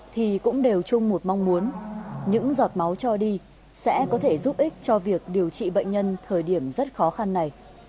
thì cũng đều chung một mong muốn những giọt máu cho đi sẽ có thể giúp ích cho việc điều trị bệnh nhân thời điểm rất khó khăn này